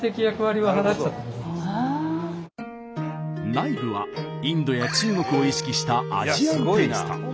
内部はインドや中国を意識したアジアンテイスト。